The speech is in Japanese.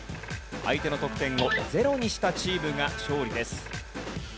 相手の得点をゼロにしたチームが勝利です。